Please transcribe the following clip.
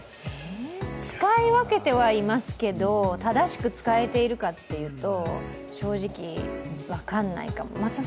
使い分けてはいますけど正しく使えてるかというと正直、分かんないかも。